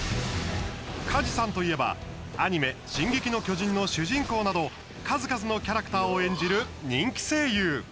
梶さんといえばアニメ「進撃の巨人」の主人公など数々のキャラクターを演じる人気声優。